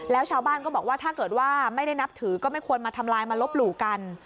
แล้วชาวบ้านก็บอกว่าถ้าเกิดว่าไม่ได้นับถือก็ไม่ควรมาทำลายมาลบหลู่กัน